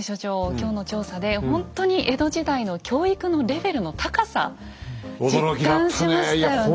今日の調査でほんとに江戸時代の教育のレベルの高さ実感しましたよね。